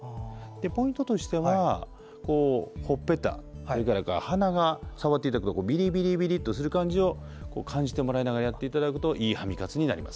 ポイントとしては、ほっぺたそれから鼻を触っていただいてビリビリビリとする感じを感じてもらいながらやっていただくといいハミ活になります。